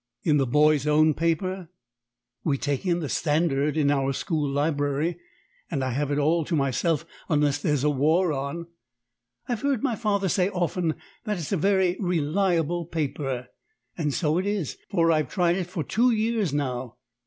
"In the Boy's Own Paper?" "We take in the Standard in our school library, and I have it all to myself unless there's a war on. I've heard my father say often that it's a very reliable paper, and so it is, for I've tried it for two years now.